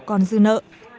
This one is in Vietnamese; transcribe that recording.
còn dư nợ